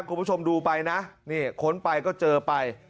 คุณผู้ชมดูไปนะนี่ค้นไปก็เจอไป